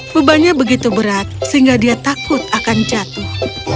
bebannya begitu berat sehingga dia takut akan jatuh